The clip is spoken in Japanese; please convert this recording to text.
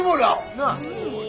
なあ。